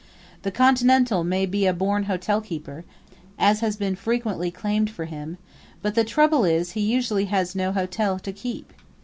The Continental may be a born hotelkeeper, as has been frequently claimed for him; but the trouble is he usually has no hotel to keep.